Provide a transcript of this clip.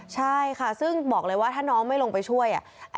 ใช่ค่ะซึ่งบอกเลยว่าถ้าน้องไม่ลงไปช่วย